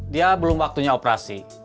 dia belum waktunya operasi